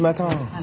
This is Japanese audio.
あ！